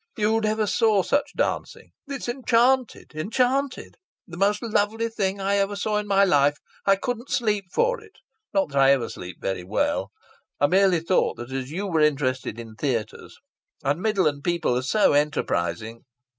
You never saw such dancing. It's enchanted enchanted! The most lovely thing I ever saw in my life. I couldn't sleep for it. Not that I ever sleep very well! I merely thought, as you were interested in theatres and Midland people are so enterprising!...